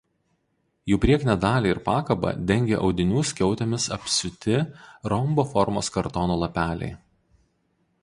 Jų priekinę dalį ir pakabą dengė audinių skiautėmis apsiūti rombo formos kartono lapeliai.